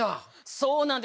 そうなんですよ。